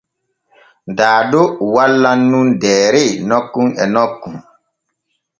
Daado wallan nun deere nokkun e nokkun.